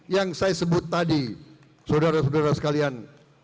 yang saya sebut tadi saudara saudara sekalian